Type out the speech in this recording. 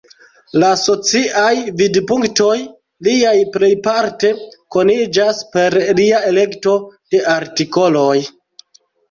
La sociaj vidpunktoj liaj plejparte koniĝas per lia elekto de artikoloj.